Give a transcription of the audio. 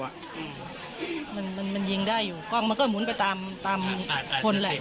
มันยิงได้อยู่กล้องมันก็หมุนไปตามคนแหละ